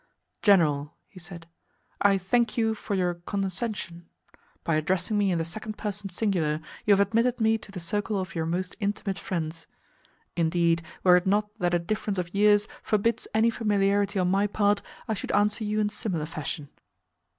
"General," he said, "I thank you for your condescension. By addressing me in the second person singular, you have admitted me to the circle of your most intimate friends. Indeed, were it not that a difference of years forbids any familiarity on my part, I should answer you in similar fashion."